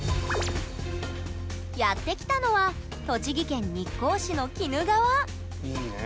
やって来たのは栃木県日光市の鬼怒川！